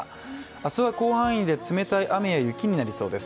明日は広範囲で冷たい雨や雪になりそうです。